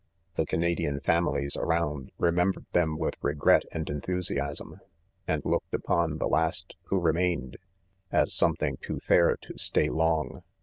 The Canadian . families around, remembered them with regret and en thusiasm ; and looked upon the . last who ' re mained, as something too fair to stay long.